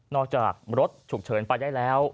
จากรถฉุกเฉินไปได้แล้ว